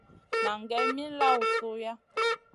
Nan gai min lawn suiʼa.